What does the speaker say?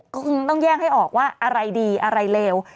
ก็คงต้องแย่งให้ออกว่าอะไรดีอะไรเลว